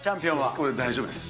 これ、大丈夫です。